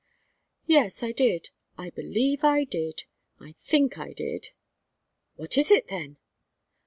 "Yes, I did. I believe I did. I think I did." "What is it, then?"